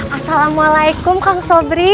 assalamualaikum kang sobri